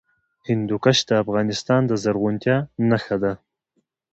هندوکش د افغانستان د زرغونتیا نښه ده.